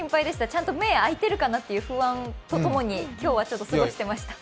ちゃんと目開いてるかなという不安とともに今日は過ごしていました。